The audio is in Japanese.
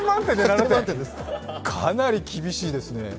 かなり厳しいですね。